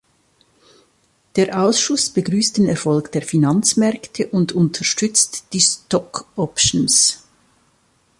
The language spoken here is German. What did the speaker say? Der Ausschuss begrüßt den Erfolg der Finanzmärkte und unterstützt die Stock options.